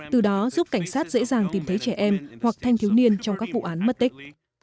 từ đó giúp cảnh sát dễ dàng tìm thấy trẻ em hoặc thanh thiếu niên trong các vụ án mất tích